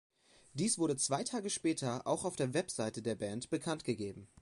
Dies wurde zwei Tage später auch auf der Website der Band bekannt gegeben.